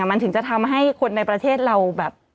มันถึงจะทำให้คนในประเทศเราแบบ